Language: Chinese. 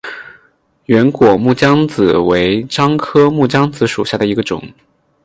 圆果木姜子为樟科木姜子属下的一个种。